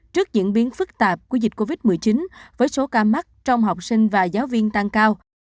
trước diễn biến phức tạp của dịch covid một mươi chín với số ca mắc trong học sinh và giáo viên tăng cao